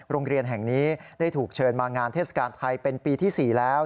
โรงเรียนแห่งนี้ได้ถูกเชิญมางานเทศกาลไทยเป็นปีที่๔แล้ว